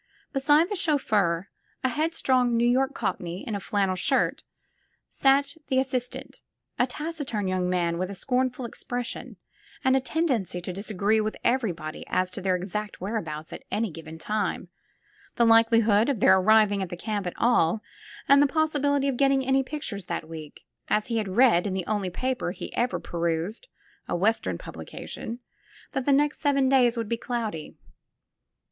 Beside the chauffeur, a headstrong New York cockney in a flannel shirt, sat the assistant, a taciturn young man with a scornful expression and a tendency to disagree with everybody as to their exact whereabouts at any given time, the likelihood of their arriving at the camp at all and the possibility of getting any pictures that week, as he had read in the only paper he ever perused, a Western publication, that the next seven days would be cloudy.